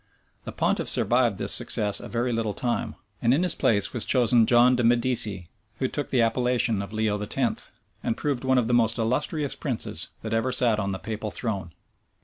The pontiff survived this success a very little time; and in his place was chosen John de Medicis, who took the appellation of Leo X., and proved one of the most illustrious princes that ever sat on the papal throne.